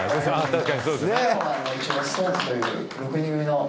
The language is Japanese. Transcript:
確かにそうですね